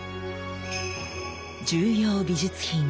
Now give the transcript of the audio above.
重要美術品